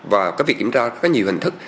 và cái việc kiểm tra có nhiều hình thức